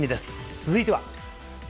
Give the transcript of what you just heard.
続いては。